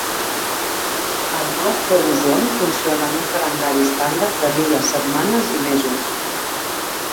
El nou Crobuzon funciona amb un calendari estàndard de dies, setmanes i mesos.